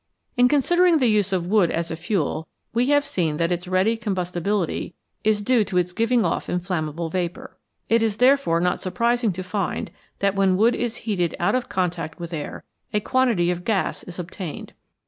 In considering the use of wood as a fuel, we have seen that its ready combustibility is due to its giving off in flammable vapour. It is therefore not surprising to find that when wood is heated out of contact with air a quantity of gas is obtained.